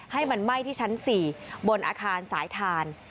ให้มันไหม้ที่ชั้น๔บนอาคารสายทาน